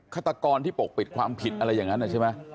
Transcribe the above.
ขตะกอนที่ปกปิดความผิดอะไรอย่างนั้น